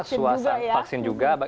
soal vaksin juga ya